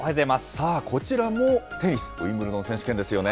さあ、こちらもテニス、ウィンブルドン選手権ですよね。